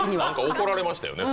何か怒られましたよね